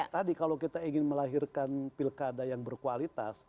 tadi kalau kita ingin melahirkan pilkada yang berkualitas